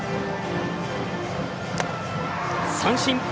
三振。